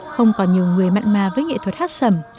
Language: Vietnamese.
không còn nhiều người mạng ma với nghệ thuật hát sầm